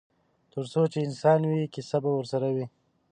ترڅو چې انسان وي کیسه به ورسره وي.